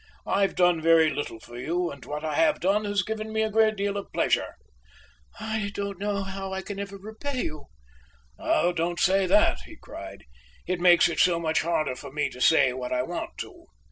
I've done very little for you, and what I have done has given me a great deal of pleasure." "I don't know how I can ever repay you." "Oh, don't say that," he cried. "It makes it so much harder for me to say what I want to."